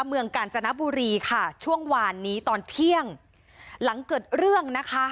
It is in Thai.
เมืองกาญจนบุรีค่ะช่วงวานนี้ตอนเที่ยงหลังเกิดเรื่องนะคะ